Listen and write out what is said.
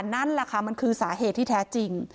นั่นแหละค่ะมันคือสาเหตุที่แท้จริง